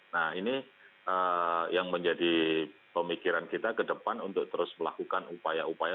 nah ini yang menjadi pemikiran kita ke depan untuk terus melakukan upaya upaya